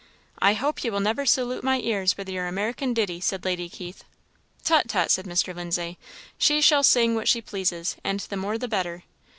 "I hope you will never salute my ears with your American ditty," said Lady Keith. "Tut, tut," said Mr. Lindsay, "she shall sing what she pleases, and the more the better."